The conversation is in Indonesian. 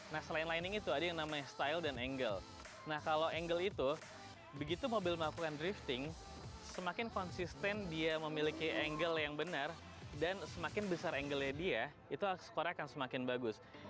nah selain lining itu ada yang namanya style dan angle nah kalau angle itu begitu mobil melakukan drifting semakin konsisten dia memiliki angle yang benar dan semakin besar angle nya dia itu skornya akan semakin bagus